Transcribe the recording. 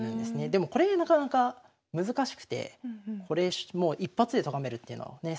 でもこれなかなか難しくてこれ一発でとがめるっていうのはね